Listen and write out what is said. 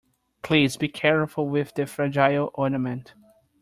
Please be careful with the fragile ornament.